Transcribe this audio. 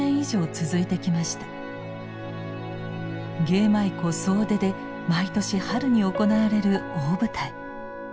芸舞妓総出で毎年春に行われる大舞台。